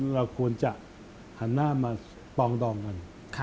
เราควรจะหันหน้ามาปองดองมัน